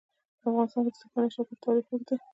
په افغانستان کې د ځمکنی شکل تاریخ اوږد دی.